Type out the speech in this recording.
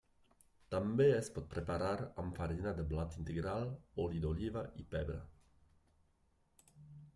També es pot preparar amb farina de blat integral, oli d'oliva i pebre.